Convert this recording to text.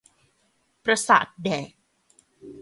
ประสาทแดก